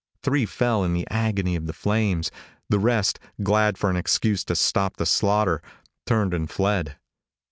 Three fell in the agony of the flames. The rest, glad for an excuse to stop the slaughter, turned and fled.